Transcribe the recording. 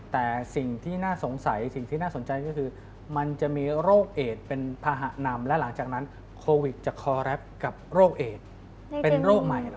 แต่สิ่งที่น่าสงสัยสิ่งที่น่าสนใจก็คือมันจะมีโรคเอดเป็นภาหะนำและหลังจากนั้นโควิดจะคอแรปกับโรคเอดเป็นโรคใหม่เหรอ